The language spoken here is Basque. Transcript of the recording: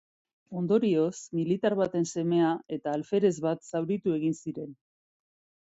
Ondorioz, militar baten semea eta alferez bat zauritu egin ziren.